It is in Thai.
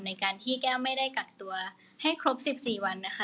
ในการที่แก้วไม่ได้กักตัวให้ครบ๑๔วันนะคะ